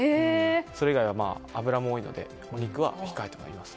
それ以外は油ものが多いので肉は控えています。